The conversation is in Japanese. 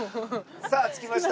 さあ着きました。